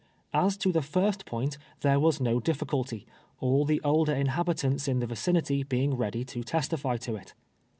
As to the first point, there was no ditficulty, all the older inhabitants in the vi cinity being ready to testify to it.